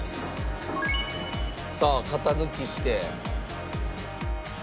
さあ型抜きして。